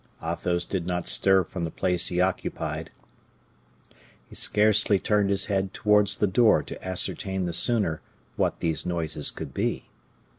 Athos did not stir from the place he occupied; he scarcely turned his head towards the door to ascertain the sooner what these noises could be.